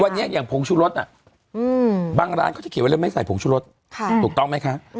วันนี้อย่างผงชุรสบางร้านเขาจะเขียนไว้แล้วไม่ใส่ผงชุรสถูกต้องไหมคะ